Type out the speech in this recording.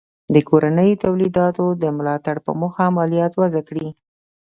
د کورنیو تولیداتو د ملاتړ په موخه مالیات وضع کړي.